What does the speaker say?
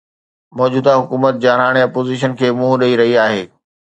موجوده حڪومت جارحاڻي اپوزيشن کي منهن ڏئي رهي آهي.